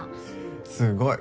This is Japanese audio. すごい。